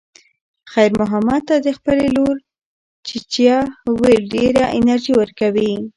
خیر محمد ته د خپلې لور "چیچیه" ویل ډېره انرژي ورکوي.